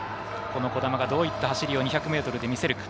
この兒玉がどういった走り２００ｍで見せるか。